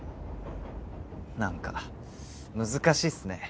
何か難しいっすね